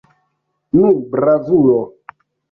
Nu, bravulo!